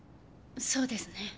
そうですね